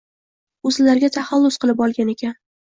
o’zlariga taxallus kilib olgan ekan.